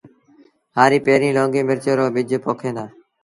هآريٚ پيريٚݩ لونگي مرچ رو ٻج پوکين دآ